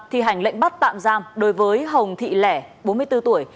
thi hành lệnh bắt tạm giam đối với hồng thị lẻ bốn mươi bốn tuổi